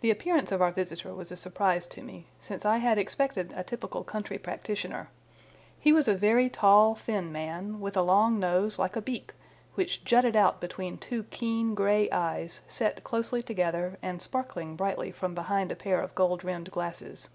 The appearance of our visitor was a surprise to me, since I had expected a typical country practitioner. He was a very tall, thin man, with a long nose like a beak, which jutted out between two keen, grey eyes, set closely together and sparkling brightly from behind a pair of gold rimmed glasses.